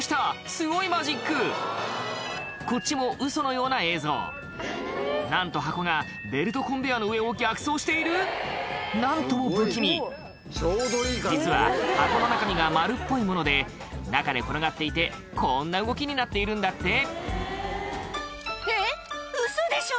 すごいマジックこっちもウソのような映像なんと箱がベルトコンベヤーの上を逆走している⁉何とも不気味実は箱の中身が丸っぽいもので中で転がっていてこんな動きになっているんだってえっウソでしょ？